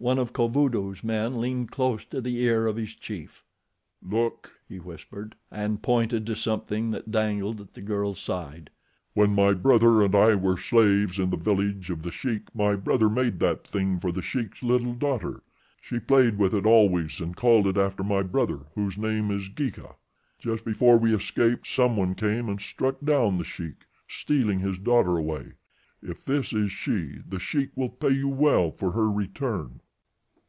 One of Kovudoo's men leaned close to the ear of his chief. "Look!" he whispered, and pointed to something that dangled at the girl's side. "When my brother and I were slaves in the village of The Sheik my brother made that thing for The Sheik's little daughter—she played with it always and called it after my brother, whose name is Geeka. Just before we escaped some one came and struck down The Sheik, stealing his daughter away. If this is she The Sheik will pay you well for her return."